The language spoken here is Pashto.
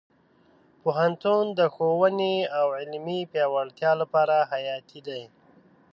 پوهنتون د ښوونې او علمي پیاوړتیا لپاره حیاتي دی.